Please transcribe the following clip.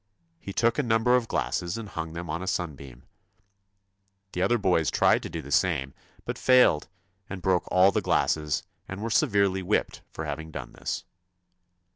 He took a number of glasses and hung them on a sunbeam. The other boys tried to do the same, but failed and broke all the glasses, and were severely whipped for having done this.